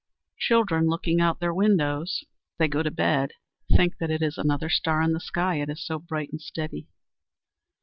Children, looking out of their windows as they go to bed, think that it is another star in the sky, it is so bright and steady.